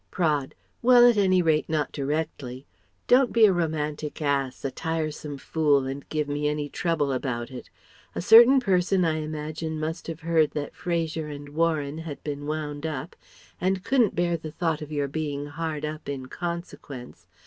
Praed: "Well, at any rate not directly. Don't be a romantic ass, a tiresome fool, and give me any trouble about it. A certain person I imagine must have heard that Fraser and Warren had been wound up and couldn't bear the thought of your being hard up in consequence